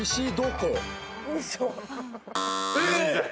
えっ！？